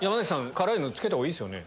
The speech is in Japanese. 辛いのつけた方がいいっすよね？